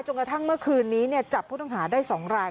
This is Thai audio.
กระทั่งเมื่อคืนนี้จับผู้ต้องหาได้๒ราย